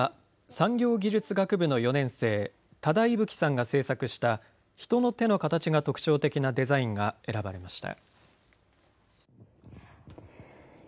産業技術学部の４年生多田伊吹さんが制作した人の手の形が特徴的なデザインが選ばれました。